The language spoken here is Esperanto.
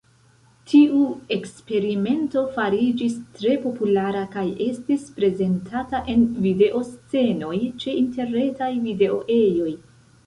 Tiu eksperimento fariĝis tre populara kaj estis prezentata en video-scenoj ĉe interretaj video-ejoj.